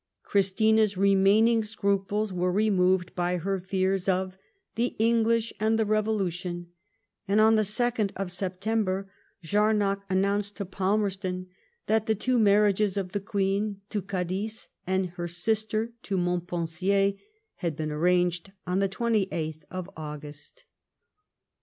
Christina's remaining scruples were removed by her fears of " the English and the Revolution," and on the 2nd of September, Jarnac announced to Palmerston that the two marriages of the Queen to Cadiz and her sister to Montpensier, had been arranged on the 28th of August.